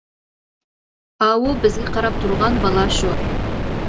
-ئاۋۇ بىزگە قاراپ تۇرغان بالا شۇ.